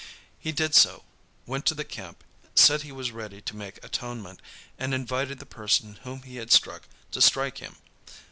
He did so; went to the camp, said he was ready to make atonement, and invited the person whom he had struck to strike him.